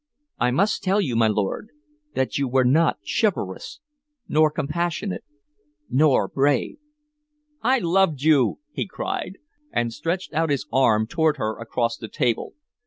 I must tell you, my lord, that you were not chivalrous, nor compassionate, nor brave" "I loved you!" he cried, and stretched out his arm toward her across the table.